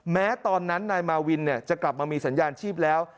แม้ตอนนั้นนายมาวินจะกลับมามีสัญญาณชีพแล้ว